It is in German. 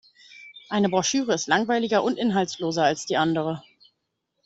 Eine Broschüre ist langweiliger und inhaltsloser als die andere.